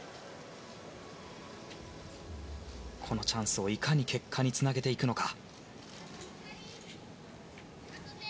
このチャンスをいかに結果につなげていくのか。